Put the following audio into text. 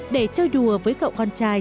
để chơi đùa với cậu con trai